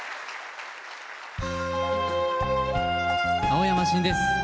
青山新です。